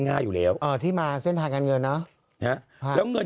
ง่ายอยู่แล้วที่มาเส้นทางการเงินเนอะนะฮะแล้วเงิน